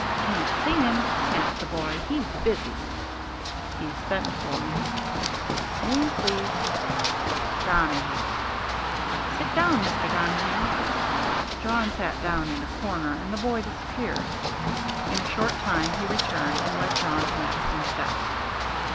"Can't see him," snapped the boy; "he's busy." "He sent for me." "Name, please." "Donohue." "Sit down, Mr. Donohue." Jawn sat down in a corner and the boy disappeared. In a short time he returned and led Jawn to Mattison's desk.